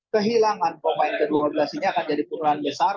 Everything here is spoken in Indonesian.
kehilangan pemain ke dua belas ini akan jadi purnaan besar